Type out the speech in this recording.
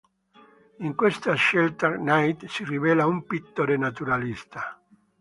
In questa scelta Knight si rivela un pittore naturalista.